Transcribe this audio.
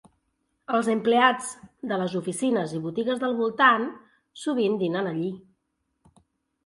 Els empleats de les oficines i botigues del voltant sovint dinen allí.